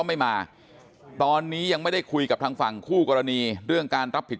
ไม่มาตอนนี้ยังไม่ได้คุยกับทางฝั่งคู่กรณีเรื่องการรับผิด